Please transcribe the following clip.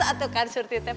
aduh kan surti teh